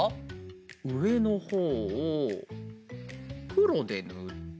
うえのほうをくろでぬって。